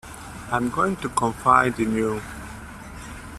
I’m going to confide in you.